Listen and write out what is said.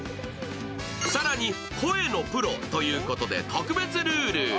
更に、声のプロということで特別ルール。